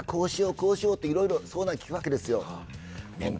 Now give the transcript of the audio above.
こうしようっていろいろ相談聞くわけですよ